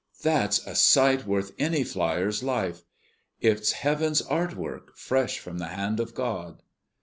"That's a sight worth any flier's life. It's Heaven's art work, fresh from the hand of God!"